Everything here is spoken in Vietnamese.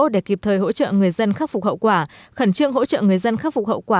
để kịp thời hỗ trợ người dân khắc phục hậu quả khẩn trương hỗ trợ người dân khắc phục hậu quả